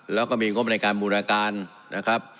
แล้วก็มีงบในการบูรณาการนะครับ